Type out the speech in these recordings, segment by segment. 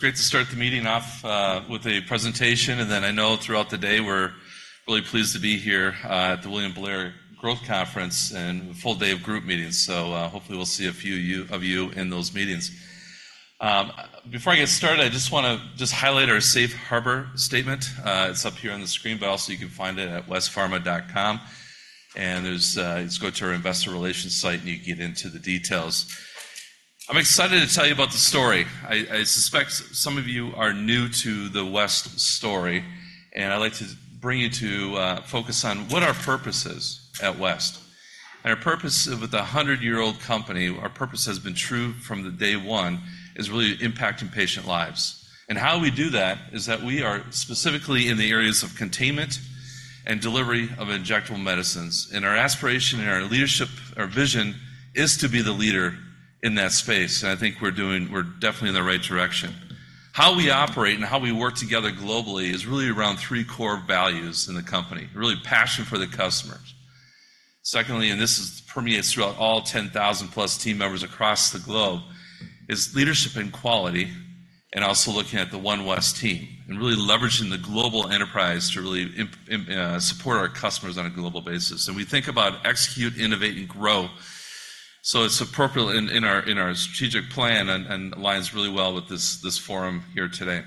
Great to start the meeting off, with a presentation, and then I know throughout the day, we're really pleased to be here, at the William Blair Growth Conference and a full day of group meetings. So, hopefully we'll see a few of you in those meetings. Before I get started, I just wanna highlight our safe harbor statement. It's up here on the screen, but also you can find it at westpharma.com, and there's just go to our investor relations site, and you can get into the details. I'm excited to tell you about the story. I suspect some of you are new to the West story, and I'd like to bring you to focus on what our purpose is at West. Our purpose with a 100-year-old company, our purpose has been true from day one, is really impacting patient lives. How we do that is that we are specifically in the areas of containment and delivery of injectable medicines, and our aspiration and our leadership, our vision is to be the leader in that space, and I think we're doing, we're definitely in the right direction. How we operate and how we work together globally is really around three core values in the company. Really passion for the customers. Secondly, and this permeates throughout all 10,000+ team members across the globe, is leadership and quality, and also looking at the One West team and really leveraging the global enterprise to really support our customers on a global basis. We think about execute, innovate, and grow. So it's appropriate in our strategic plan and aligns really well with this forum here today.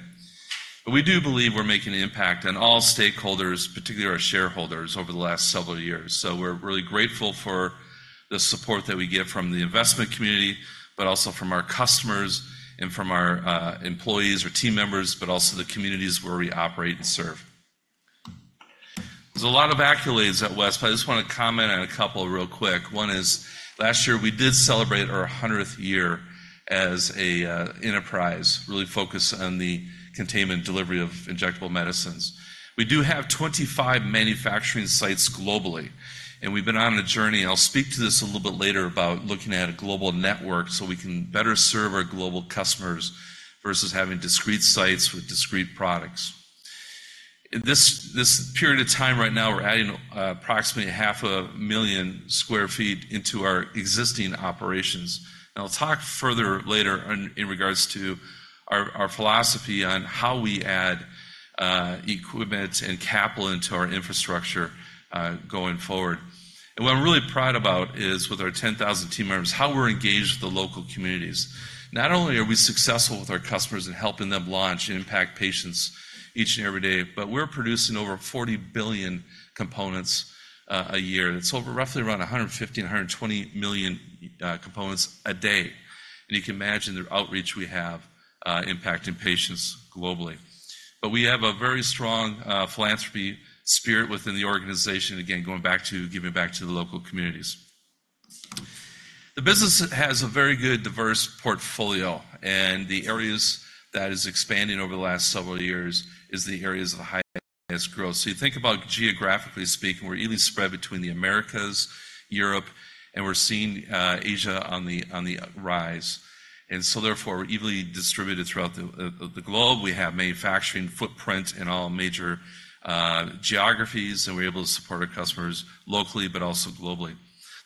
But we do believe we're making an impact on all stakeholders, particularly our shareholders, over the last several years. So we're really grateful for the support that we get from the investment community, but also from our customers and from our employees or team members, but also the communities where we operate and serve. There's a lot of accolades at West, but I just wanna comment on a couple real quick. One is, last year we did celebrate our 100th year as a enterprise, really focused on the containment delivery of injectable medicines. We do have 25 manufacturing sites globally, and we've been on a journey. I'll speak to this a little bit later about looking at a global network so we can better serve our global customers versus having discrete sites with discrete products. In this period of time right now, we're adding approximately 500,000 sq ft into our existing operations. I'll talk further later on in regards to our philosophy on how we add equipment and capital into our infrastructure going forward. What I'm really proud about is with our 10,000 team members, how we're engaged with the local communities. Not only are we successful with our customers in helping them launch and impact patients each and every day, but we're producing over 40 billion components a year. It's over roughly around 115-120 million components a day. You can imagine the outreach we have, impacting patients globally. But we have a very strong, philanthropy spirit within the organization, again, going back to giving back to the local communities. The business has a very good, diverse portfolio, and the areas that is expanding over the last several years is the areas of the highest growth. So you think about geographically speaking, we're evenly spread between the Americas, Europe, and we're seeing, Asia on the rise. And so therefore, we're evenly distributed throughout the globe. We have manufacturing footprint in all major, geographies, and we're able to support our customers locally but also globally.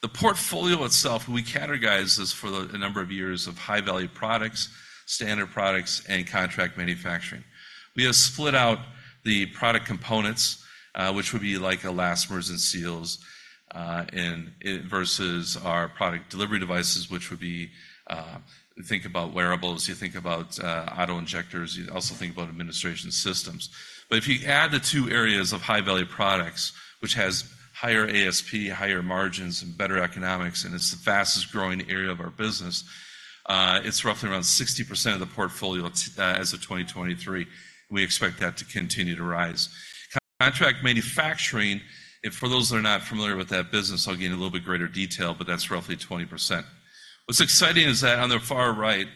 The portfolio itself, we categorize this for a number of years of high-value products, standard products, and contract manufacturing. We have split out the product components, which would be like elastomers and seals, and it versus our product delivery devices, which would be, think about wearables, you think about, auto-injectors, you also think about administration systems. But if you add the two areas of high-value products, which has higher ASP, higher margins, and better economics, and it's the fastest-growing area of our business, it's roughly around 60% of the portfolio, as of 2023. We expect that to continue to rise. Contract manufacturing, and for those that are not familiar with that business, I'll get in a little bit greater detail, but that's roughly 20%. What's exciting is that on the far right,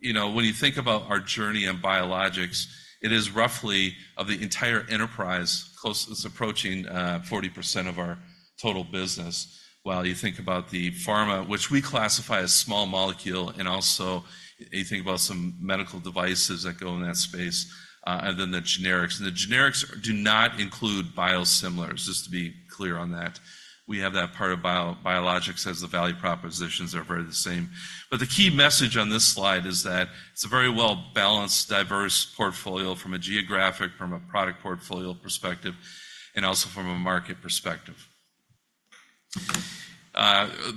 you know, when you think about our journey in biologics, it is roughly of the entire enterprise, close, it's approaching 40% of our total business, while you think about the pharma, which we classify as small molecule, and also you think about some medical devices that go in that space, and then the generics. And the generics do not include biosimilars, just to be clear on that. We have that part of biologics as the value propositions are very the same. But the key message on this slide is that it's a very well-balanced, diverse portfolio from a geographic, from a product portfolio perspective, and also from a market perspective.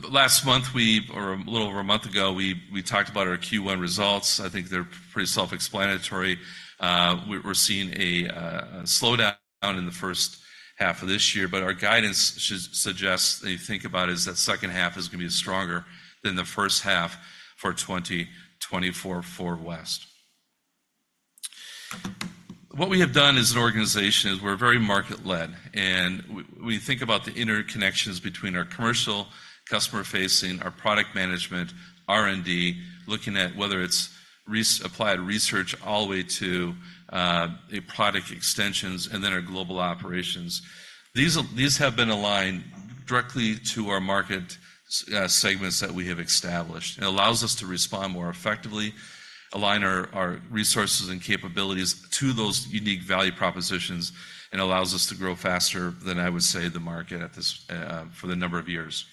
Last month, or a little over a month ago, we talked about our Q1 results. I think they're pretty self-explanatory. We're seeing a slowdown in the first half of this year, but our guidance should suggest that you think about is that second half is gonna be stronger than the first half for 2024 for West. What we have done as an organization is we're very market-led, and we think about the interconnections between our commercial, customer-facing, our product management, R&D, looking at whether it's applied research all the way to a product extensions, and then our global operations. These have been aligned directly to our market segments that we have established. It allows us to respond more effectively, align our resources and capabilities to those unique value propositions, and allows us to grow faster than I would say the market at this for the number of years.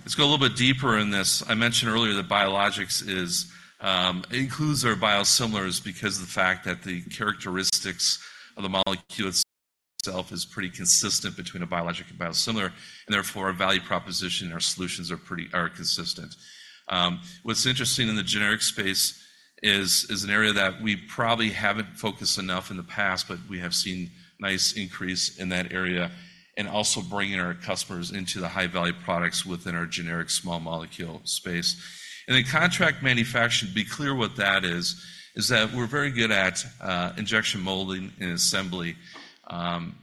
Let's go a little bit deeper in this. I mentioned earlier that biologics includes our biosimilars because of the fact that the characteristics of the molecule itself is pretty consistent between a biologic and biosimilar, and therefore, our value proposition, our solutions are pretty are consistent. What's interesting in the generic space is an area that we probably haven't focused enough in the past, but we have seen nice increase in that area, and also bringing our customers into the high-value products within our generic small molecule space. And in contract manufacturing, to be clear what that is, is that we're very good at injection molding and assembly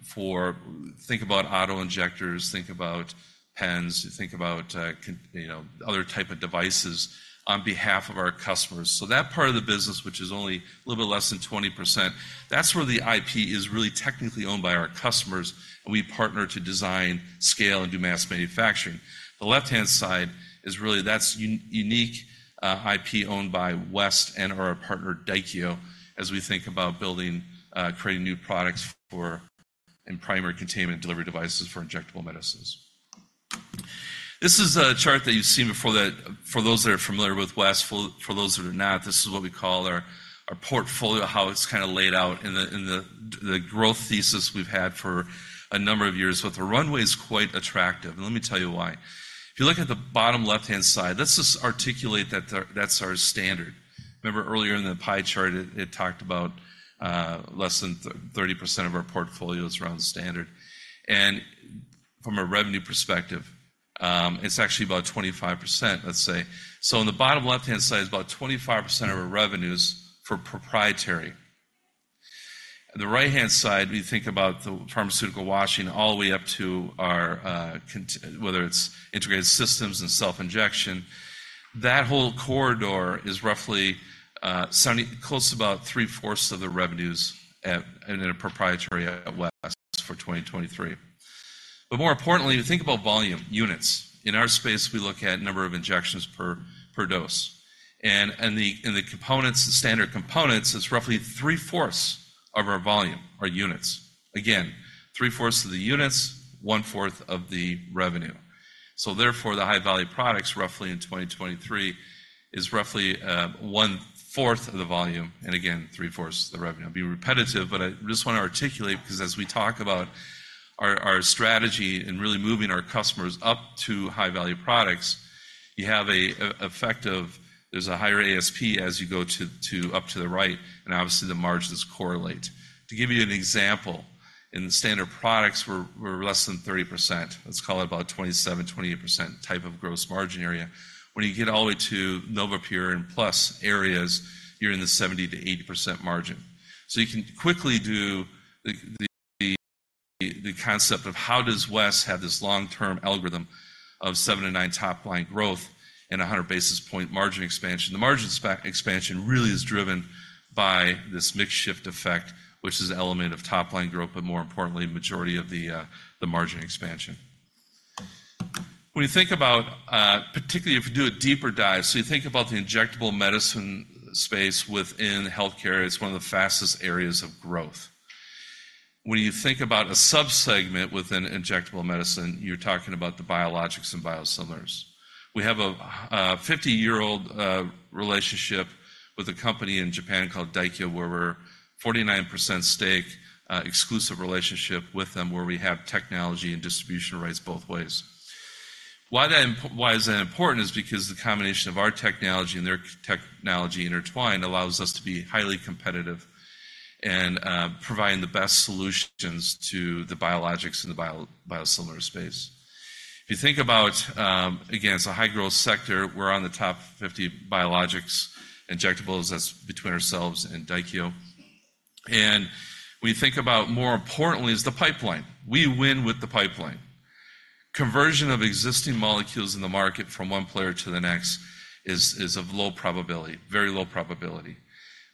for. Think about auto injectors, think about pens, think about, con, you know, other type of devices on behalf of our customers. So that part of the business, which is only a little bit less than 20%, that's where the IP is really technically owned by our customers, and we partner to design, scale, and do mass manufacturing. The left-hand side is really, that's unique IP owned by West and our partner, Daiichi, as we think about building, creating new products for and primary containment delivery devices for injectable medicines. This is a chart that you've seen before for those that are familiar with West, for those that are not, this is what we call our portfolio, how it's laid out in the growth thesis we've had for a number of years. But the runway is quite attractive, and let me tell you why. If you look at the bottom left-hand side, let's just articulate that, that's our standard. Remember earlier in the pie chart, it talked about less than 30% of our portfolio is around standard. And from a revenue perspective, it's actually about 25%, let's say. So in the bottom left-hand side is about 25% of our revenues for proprietary. The right-hand side, we think about the pharmaceutical washing all the way up to our whether it's integrated systems and self-injection, that whole corridor is roughly 70, close to about three-fourths of the revenues at, in a proprietary at West for 2023. But more importantly, think about volume, units. In our space, we look at number of injections per dose. And the components, the standard components, is roughly three-fourths of our volume, our units. Again, three-fourths of the units, one-fourth of the revenue. So therefore, the high-value products, roughly in 2023, is roughly one-fourth of the volume, and again, three-fourths of the revenue. I'll be repetitive, but I just want to articulate because as we talk about our strategy and really moving our customers up to high-value products, you have a effect of there's a higher ASP as you go to up to the right, and obviously, the margins correlate. To give you an example, in the standard products, we're less than 30%. Let's call it about 27-28% type of gross margin area. When you get all the way to NovaPure and plus areas, you're in the 70%-80% margin. So you can quickly do the concept of how does West have this long-term algorithm of 7-9 top-line growth and a hundred basis point margin expansion. The margin expansion really is driven by this mix shift effect, which is an element of top-line growth, but more importantly, majority of the margin expansion. When you think about particularly if you do a deeper dive, so you think about the injectable medicine space within healthcare, it's one of the fastest areas of growth. When you think about a subsegment within injectable medicine, you're talking about the biologics and biosimilars. We have a 50-year-old relationship with a company in Japan called Daikyo, where we're 49% stake, exclusive relationship with them, where we have technology and distribution rights both ways. Why is that important is because the combination of our technology and their technology intertwined allows us to be highly competitive and providing the best solutions to the biologics and the biosimilar space. If you think about, again, it's a high-growth sector, we're on the top 50 biologics, injectables, that's between ourselves and Daikyo. And we think about more importantly is the pipeline. We win with the pipeline. Conversion of existing molecules in the market from one player to the next is of low probability, very low probability.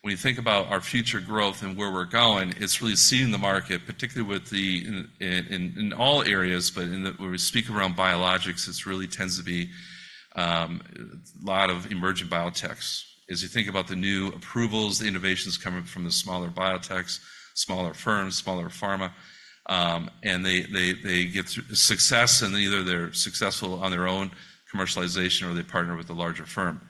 When you think about our future growth and where we're going, it's really seeing the market, particularly with the in all areas, but in the when we speak around biologics, it's really tends to be a lot of emerging biotechs. As you think about the new approvals, the innovations coming from the smaller biotechs, smaller firms, smaller pharma, and they get success, and either they're successful on their own commercialization or they partner with a larger firm.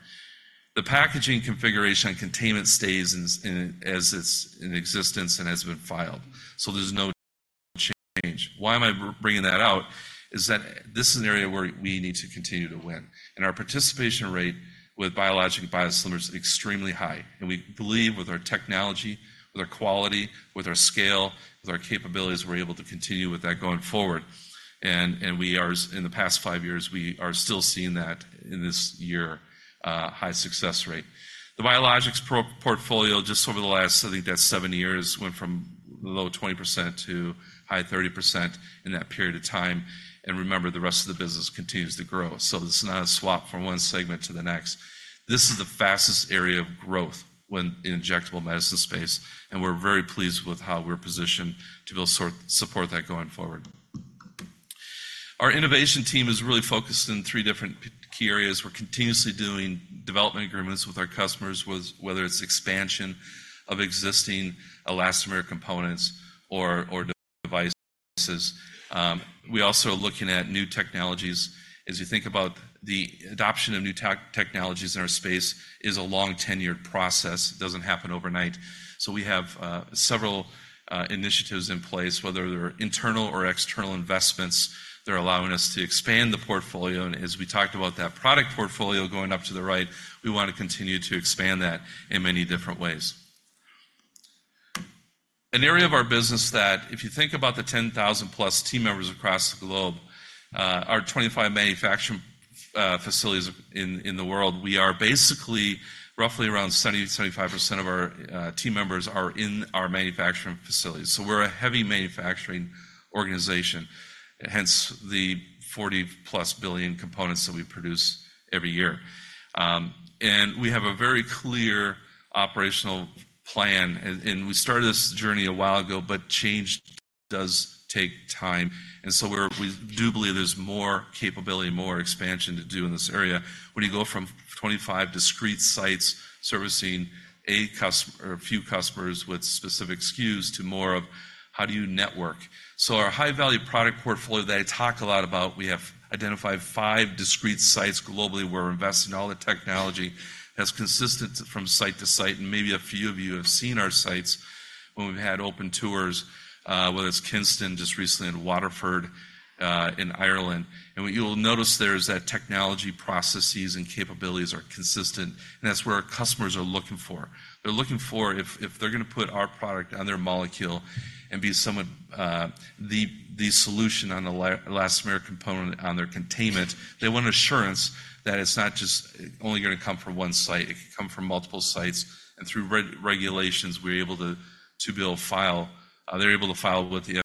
The packaging configuration and containment stays in, as it's in existence and has been filed, so there's no change. Why am I bringing that out? It's that this is an area where we need to continue to win, and our participation rate with biologic biosimilars is extremely high, and we believe with our technology, with our quality, with our scale, with our capabilities, we're able to continue with that going forward. And we are, in the past five years, we are still seeing that in this year, high success rate. The biologics portfolio, just over the last, I think that's seven years, went from low 20% to high 30% in that period of time, and remember, the rest of the business continues to grow. So this is not a swap from one segment to the next. This is the fastest area of growth within the injectable medicine space, and we're very pleased with how we're positioned to be able to support that going forward. Our innovation team is really focused in three different key areas. We're continuously doing development agreements with our customers, whether it's expansion of existing elastomer components or devices. We're also looking at new technologies. As you think about the adoption of new technologies in our space, is a long-tenured process. It doesn't happen overnight. So we have several initiatives in place, whether they're internal or external investments, they're allowing us to expand the portfolio. And as we talked about that product portfolio going up to the right, we want to continue to expand that in many different ways. An area of our business that if you think about the 10,000+ team members across the globe, our 25 manufacturing facilities in the world, we are basically, roughly around 70%-75% of our team members are in our manufacturing facilities. So we're a heavy manufacturing organization, hence the 40+ billion components that we produce every year. And we have a very clear operational plan, and we started this journey a while ago, but change does take time, and so we're—we do believe there's more capability, more expansion to do in this area. When you go from 25 discrete sites servicing a custom—or a few customers with specific SKUs to more of how do you network? So our high-value product portfolio that I talk a lot about, we have identified five discrete sites globally, where we're investing all the technology that's consistent from site to site, and maybe a few of you have seen our sites when we've had open tours, whether it's Kinston, just recently in Waterford, in Ireland. And what you'll notice there is that technology, processes, and capabilities are consistent, and that's where our customers are looking for. They're looking for if, if they're going to put our product on their molecule and be somewhat, the, the solution on the elastomer component on their containment, they want assurance that it's not just only going to come from one site, it can come from multiple sites. And through regulations, we're able to, to be able to file... They're able to file with the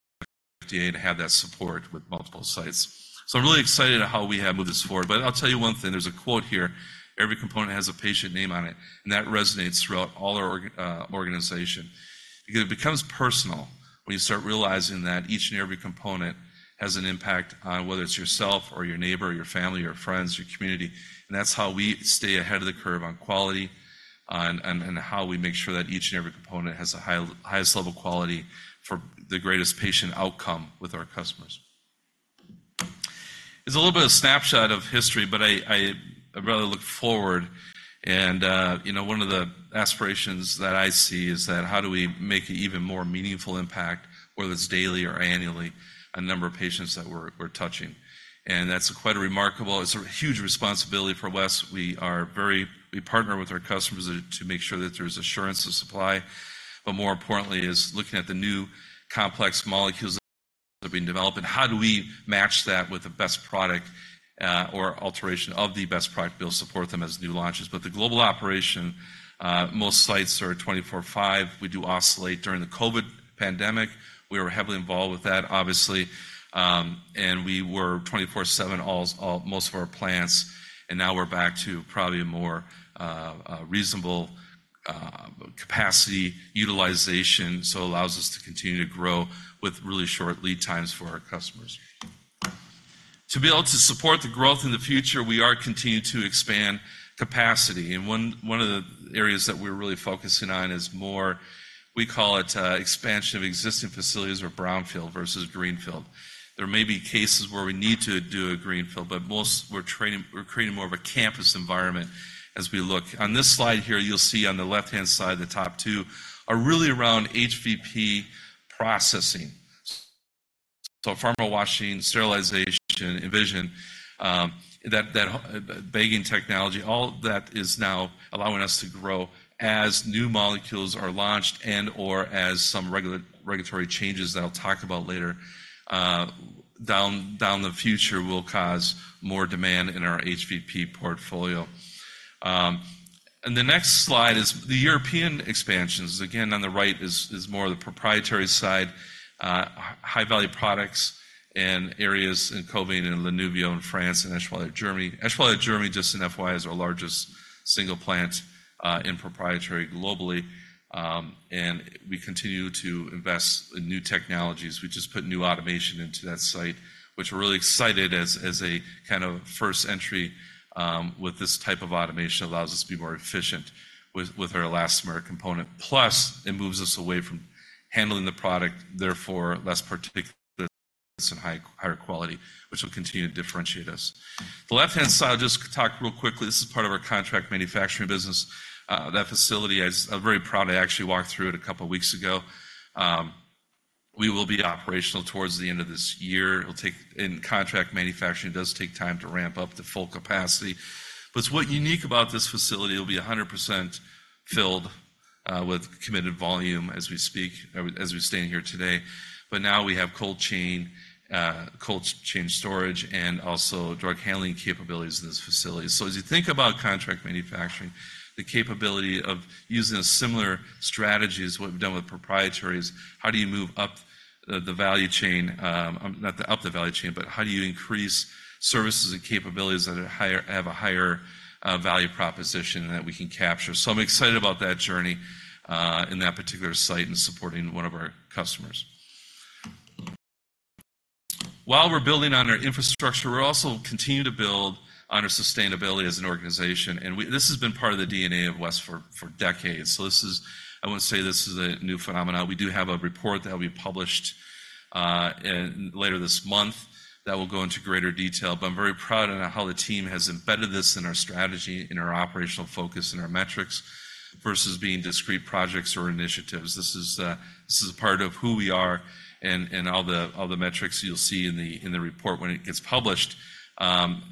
FDA to have that support with multiple sites. So I'm really excited at how we have moved this forward. But I'll tell you one thing, there's a quote here: "Every component has a patient name on it," and that resonates throughout all our org, organization. It becomes personal when you start realizing that each and every component has an impact on whether it's yourself or your neighbor, your family, your friends, your community. And that's how we stay ahead of the curve on quality and how we make sure that each and every component has a highest level quality for the greatest patient outcome with our customers. It's a little bit of snapshot of history, but I'd rather look forward. You know, one of the aspirations that I see is that how do we make an even more meaningful impact, whether it's daily or annually, a number of patients that we're, we're touching? And that's quite a remarkable, it's a huge responsibility for West. We are very-- we partner with our customers to, to make sure that there's assurance of supply, but more importantly, is looking at the new complex molecules that have been developed, and how do we match that with the best product, or alteration of the best product build, support them as new launches. But the global operation, most sites are 24/5. We do oscillate during the COVID pandemic. We were heavily involved with that, obviously, and we were 24/7, all most of our plants, and now we're back to probably a more reasonable capacity utilization, so allows us to continue to grow with really short lead times for our customers. To be able to support the growth in the future, we are continuing to expand capacity, and one of the areas that we're really focusing on is more, we call it, expansion of existing facilities or brownfield versus greenfield. There may be cases where we need to do a greenfield, but most we're creating more of a campus environment as we look. On this slide here, you'll see on the left-hand side, the top two are really around HVP processing. Pharmawash, sterilization, Envision, that bagging technology, all that is now allowing us to grow as new molecules are launched and/or as some regulatory changes that I'll talk about later down in the future will cause more demand in our HVP portfolio. The next slide is the European expansions. Again, on the right is more of the proprietary side, high-value products in areas in Kovin and Le Nouvion-en-Thiérache in France and Eschweiler, Germany. Eschweiler, Germany, just an FYI, is our largest single plant in proprietary globally, and we continue to invest in new technologies. We just put new automation into that site, which we're really excited as a kind of first entry with this type of automation, allows us to be more efficient with our elastomer component. Plus, it moves us away from handling the product, therefore, less particular and higher quality, which will continue to differentiate us. The left-hand side, I'll just talk real quickly. This is part of our contract manufacturing business. That facility, I'm very proud. I actually walked through it a couple of weeks ago. We will be operational towards the end of this year. It'll take... In contract manufacturing, it does take time to ramp up to full capacity. But what's unique about this facility, it will be 100% filled with committed volume as we speak, as we stand here today. But now we have cold chain, cold chain storage, and also drug handling capabilities in this facility. So as you think about contract manufacturing, the capability of using a similar strategy as what we've done with proprietaries, how do you move up the value chain? Not up the value chain, but how do you increase services and capabilities that are higher-have a higher value proposition that we can capture? So I'm excited about that journey in that particular site and supporting one of our customers. While we're building on our infrastructure, we're also continuing to build on our sustainability as an organization, and this has been part of the DNA of West for decades. So this is, I wouldn't say this is a new phenomenon. We do have a report that will be published later this month that will go into greater detail. But I'm very proud of how the team has embedded this in our strategy, in our operational focus, in our metrics, versus being discrete projects or initiatives. This is a part of who we are, and all the metrics you'll see in the report when it gets published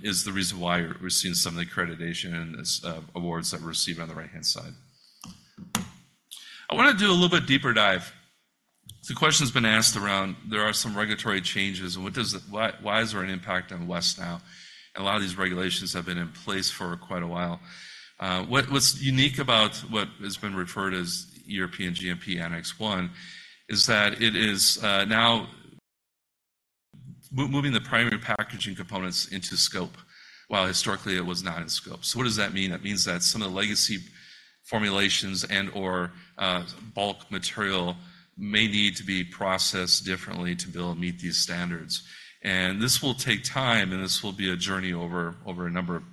is the reason why we're seeing some of the accreditation and awards that we're receiving on the right-hand side. I want to do a little bit deeper dive. The question's been asked around, there are some regulatory changes, and what does it, why, why is there an impact on West now? A lot of these regulations have been in place for quite a while. What's unique about what has been referred as European GMP Annex One is that it is now moving the primary packaging components into scope, while historically it was not in scope. So what does that mean? That means that some of the legacy formulations and/or bulk material may need to be processed differently to be able to meet these standards. And this will take time, and this will be a journey over a number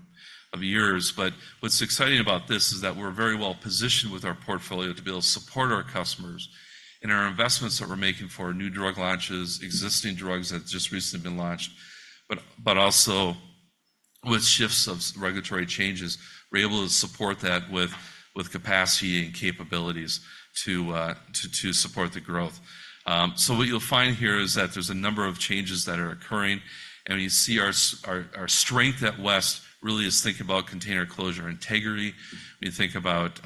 of years. But what's exciting about this is that we're very well positioned with our portfolio to be able to support our customers and our investments that we're making for new drug launches, existing drugs that just recently been launched, but also with shifts of regulatory changes, we're able to support that with capacity and capabilities to support the growth. So what you'll find here is that there's a number of changes that are occurring, and you see our strength at West really is thinking about container closure integrity. We think about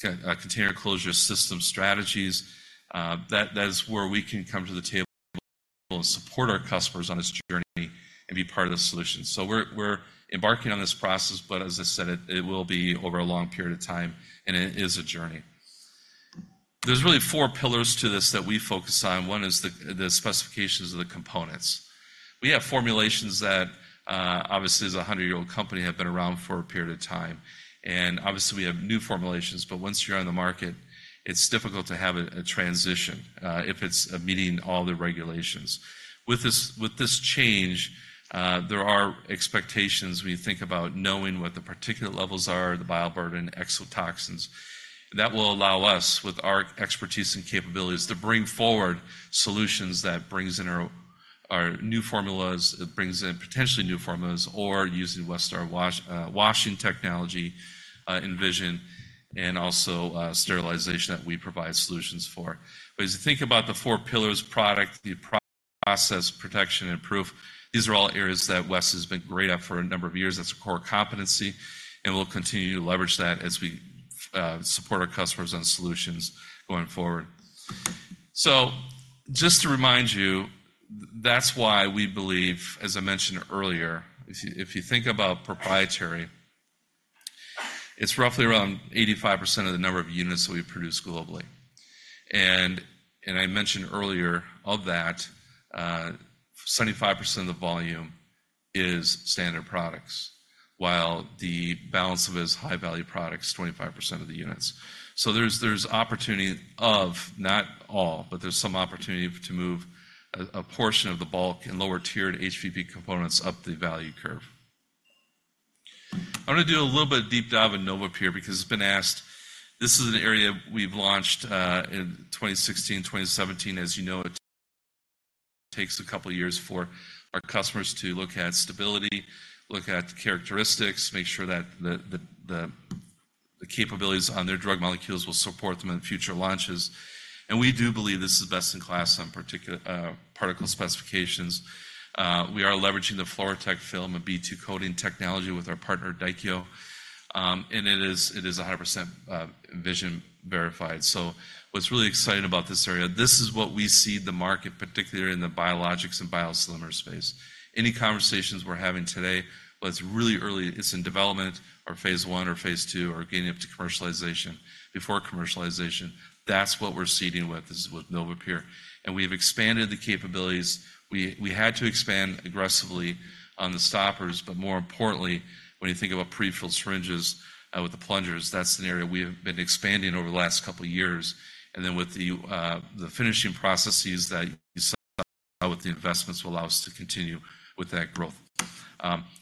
container closure system strategies. That is where we can come to the table and support our customers on this journey and be part of the solution. So we're embarking on this process, but as I said, it will be over a long period of time, and it is a journey. There's really four pillars to this that we focus on. One is the specifications of the components. We have formulations that, obviously, as a 100-year-old company, have been around for a period of time, and obviously, we have new formulations, but once you're on the market, it's difficult to have a transition, if it's meeting all the regulations. With this change, there are expectations when you think about knowing what the particulate levels are, the bioburden, exotoxins. That will allow us, with our expertise and capabilities, to bring forward solutions that brings in our new formulas, it brings in potentially new formulas or using Westar wash, washing technology, Envision, and also, sterilization that we provide solutions for. But as you think about the four pillars, product, the process, protection, and proof, these are all areas that West has been great at for a number of years. That's a core competency, and we'll continue to leverage that as we support our customers on solutions going forward. So just to remind you, that's why we believe, as I mentioned earlier, if you think about proprietary, it's roughly around 85% of the number of units that we produce globally. And I mentioned earlier, of that, 75% of the volume is standard products, while the balance of it is high-value products, 25% of the units. So there's opportunity of, not all, but there's some opportunity to move a portion of the bulk and lower-tiered HVP components up the value curve. I want to do a little bit of deep dive in NovaPure, because it's been asked. This is an area we've launched in 2016, 2017. As you know, it takes a couple of years for our customers to look at stability, look at the characteristics, make sure that the capabilities on their drug molecules will support them in future launches. And we do believe this is best in class on particular particle specifications. We are leveraging the FluroTec film, a B2-Coating technology with our partner, Daikyo. And it is a hundred percent vision verified. So what's really exciting about this area, this is what we see the market, particularly in the biologics and biosimilars space. Any conversations we're having today, well, it's really early, it's in development or phase one or phase two or getting up to commercialization, before commercialization. That's what we're seeding with, this is with NovaPure. And we've expanded the capabilities. We had to expand aggressively on the stoppers, but more importantly, when you think about prefilled syringes with the plungers, that's an area we have been expanding over the last couple of years. And then with the finishing processes that you saw with the investments will allow us to continue with that growth.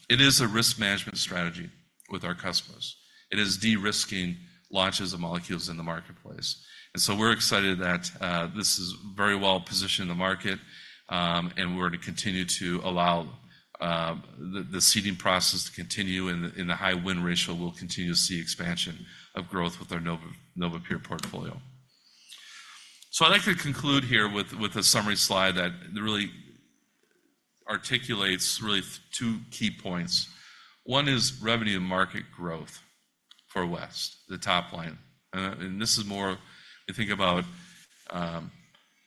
It is a risk management strategy with our customers. It is de-risking launches of molecules in the marketplace. And so we're excited that this is very well positioned in the market, and we're to continue to allow the seeding process to continue in the high win ratio. We'll continue to see expansion of growth with our NovaPure portfolio. So I'd like to conclude here with a summary slide that really articulates really two key points. One is revenue and market growth for West, the top line. And this is more, I think about,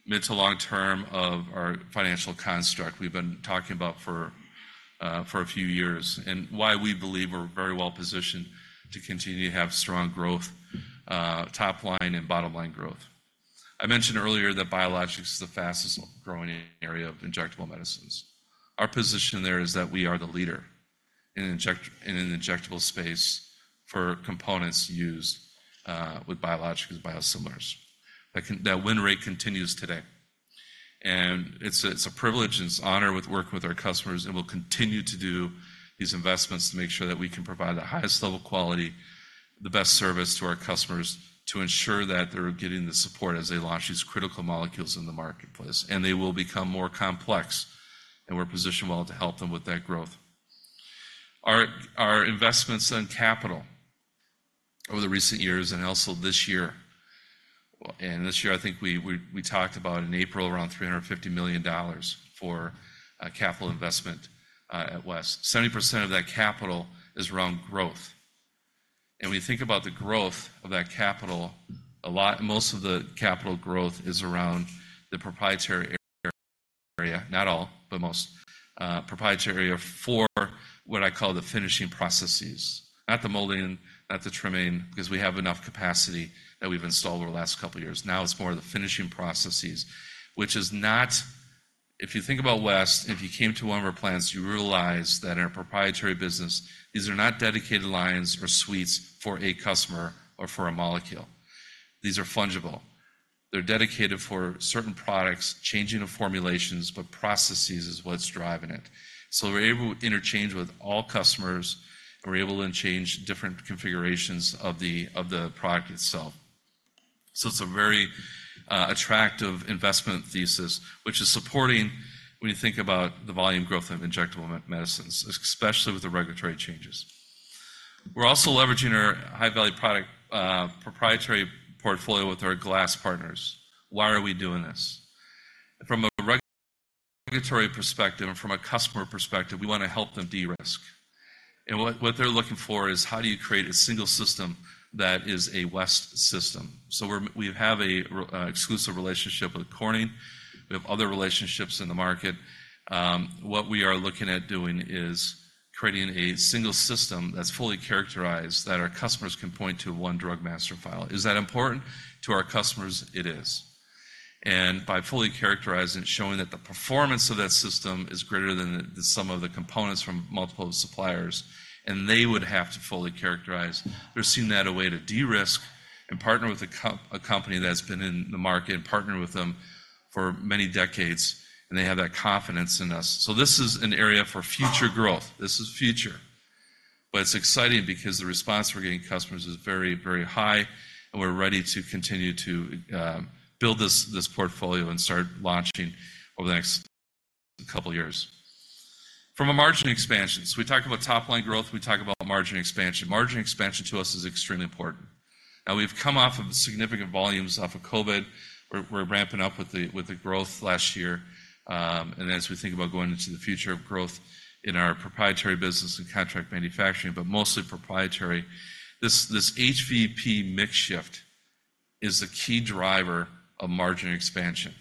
mid to long term of our financial construct we've been talking about for, for a few years, and why we believe we're very well positioned to continue to have strong growth, top line and bottom line growth. I mentioned earlier that biologics is the fastest growing area of injectable medicines. Our position there is that we are the leader... in an injectable space for components used, with biologicals, biosimilars. That win rate continues today, and it's a privilege and it's an honor with working with our customers, and we'll continue to do these investments to make sure that we can provide the highest level of quality, the best service to our customers, to ensure that they're getting the support as they launch these critical molecules in the marketplace. And they will become more complex, and we're positioned well to help them with that growth. Our investments in capital over the recent years and also this year, well, and this year, I think we talked about in April, around $350 million for a capital investment at West. 70% of that capital is around growth, and we think about the growth of that capital, a lot... Most of the capital growth is around the proprietary area, not all, but most, proprietary for what I call the finishing processes, not the molding, not the trimming, because we have enough capacity that we've installed over the last couple of years. Now, it's more of the finishing processes, which is not. If you think about West, if you came to one of our plants, you realize that in our proprietary business, these are not dedicated lines or suites for a customer or for a molecule. These are fungible. They're dedicated for certain products, changing of formulations, but processes is what's driving it. So we're able to interchange with all customers, and we're able to change different configurations of the product itself. So it's a very attractive investment thesis, which is supporting when you think about the volume growth of injectable medicines, especially with the regulatory changes. We're also leveraging our high-value product proprietary portfolio with our glass partners. Why are we doing this? From a regulatory perspective and from a customer perspective, we want to help them de-risk. And what they're looking for is: how do you create a single system that is a West system? So we're, we have an exclusive relationship with Corning. We have other relationships in the market. What we are looking at doing is creating a single system that's fully characterized, that our customers can point to one drug master file. Is that important to our customers? It is. And by fully characterizing and showing that the performance of that system is greater than the sum of the components from multiple suppliers, and they would have to fully characterize. They're seeing that a way to de-risk and partner with a co- a company that's been in the market and partner with them for many decades, and they have that confidence in us. So this is an area for future growth. This is future. But it's exciting because the response we're getting from customers is very, very high, and we're ready to continue to build this, this portfolio and start launching over the next couple of years. From a margin expansion, so we talked about top-line growth, we talked about margin expansion. Margin expansion to us is extremely important. Now, we've come off of significant volumes off of COVID. We're ramping up with the growth last year. As we think about going into the future of growth in our proprietary business and contract manufacturing, but mostly proprietary, this HVP mix shift is a key driver of margin expansion.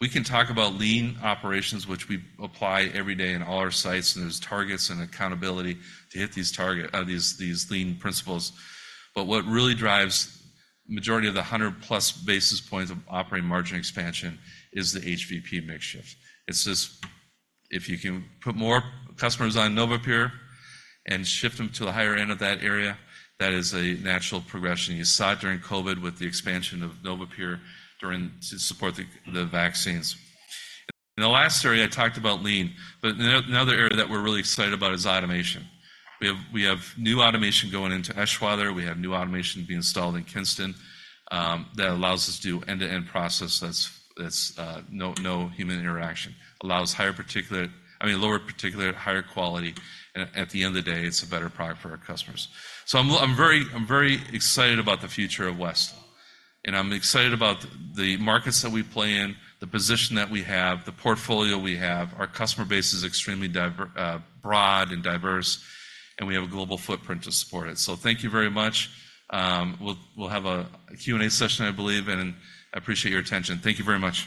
We can talk about lean operations, which we apply every day in all our sites, and there's targets and accountability to hit these targets, these lean principles. But what really drives majority of the 100+ basis points of operating margin expansion is the HVP mix shift. It's just if you can put more customers on NovaPure and shift them to the higher end of that area, that is a natural progression. You saw it during COVID with the expansion of NovaPure during to support the vaccines. In the last area, I talked about lean, but another area that we're really excited about is automation. We have new automation going into Eschweiler. We have new automation being installed in Kinston that allows us to do end-to-end process that's no human interaction. Allows higher particulates, I mean, lower particulates, higher quality, and at the end of the day, it's a better product for our customers. So I'm very excited about the future of West, and I'm excited about the markets that we play in, the position that we have, the portfolio we have. Our customer base is extremely diverse, broad and diverse, and we have a global footprint to support it. So thank you very much. We'll have a Q&A session, I believe, and I appreciate your attention. Thank you very much.